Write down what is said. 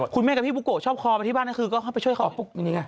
คุณแม่กับพี่ปุโกตชอบคอไปที่บ้านถือก็ต้องเพิ่งช่วยเขา